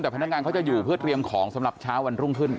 แต่พนักงานเขาจะอยู่เพื่อเตรียมของสำหรับเช้าวันรุ่งขึ้น